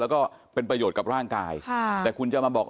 แล้วก็เป็นประโยชน์กับร่างกายค่ะแต่คุณจะมาบอก